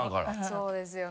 そうですよね。